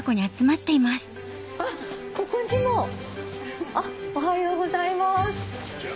あっここにも。おはようございます。